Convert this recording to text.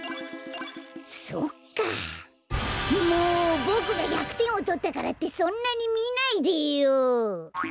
もうボクが１００てんをとったからってそんなにみないでよ！